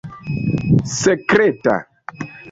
sekreta